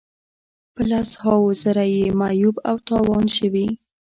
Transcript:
په لس هاوو زره یې معیوب او تاوان شوي.